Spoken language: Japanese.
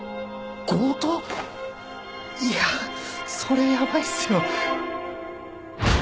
いやそれはやばいっすよ。